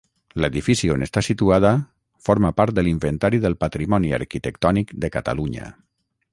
L'edifici on està situada forma part de l'Inventari del Patrimoni Arquitectònic de Catalunya.